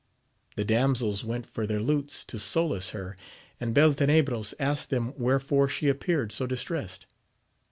The damsels went for their lutes to solace her, and Beltenebros asked them wherefore she ap peared so distressed.